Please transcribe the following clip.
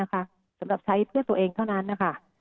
ให้ทำได้นะคะสำหรับใช้เพื่อตัวเองเท่านั้นนะคะ